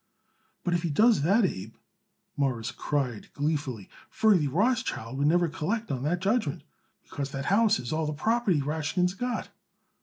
"But if he does that, Abe," Morris cried gleefully, "Ferdy Rothschild would never collect on that judgment, because that house is all the property Rashkin's got."